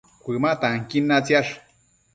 Cuëma tanquin natsiash